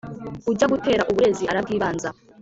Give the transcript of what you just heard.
ujya gutera uburezi arabwibanza